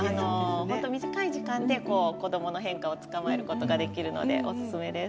短い時間で子どもの変化をつかまえることができるのでおすすめです。